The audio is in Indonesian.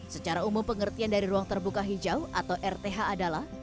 secara umum pengertian dari ruang terbuka hijau atau rth adalah